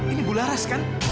ini bularas kan